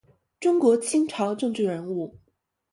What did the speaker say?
中国清朝政治人物。